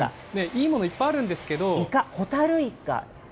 いいものいっぱいあるんですけど。